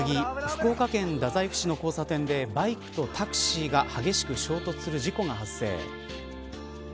福岡県太宰府市の交差点でバイクとタクシーが激しく衝突する事故が発生。